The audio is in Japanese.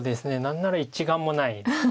何なら１眼もないです。